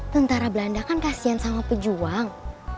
tentara belanda kan kasian sama pejuang